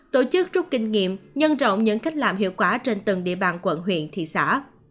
tổ chức rút kinh nghiệm nhân rộng những cách làm hiệu quả trên từng địa bàn quận huyện thị xã